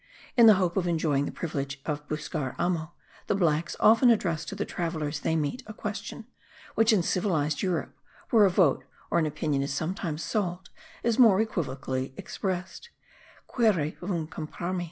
In the hope of enjoying the privilege of buscar amo, the blacks often address to the travellers they meet, a question, which in civilized Europe, where a vote or an opinion is sometimes sold, is more equivocally expressed; Quiere Vm comprarme?